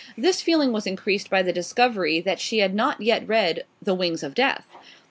This feeling was increased by the discovery that she had not yet read "The Wings of Death."